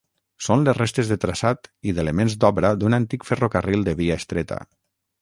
Són les restes de traçat i d'elements d'obra d'un antic ferrocarril de via estreta.